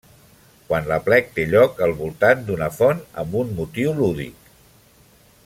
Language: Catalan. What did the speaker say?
Quan l'aplec té lloc al voltant d'una font amb un motiu lúdic.